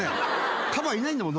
カバいないんだもん